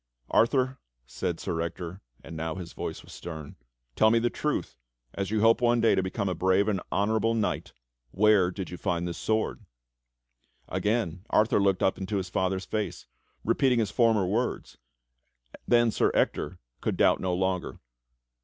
"Arthur," said Sir Ector, and now his voice was stern, "Tell me the truth, as you hope one day to become a brave and honorable knight, where did you find this sword?" Again Arthur looked up into his father's face, repeating his former words; then Sir Ector could doubt no longer.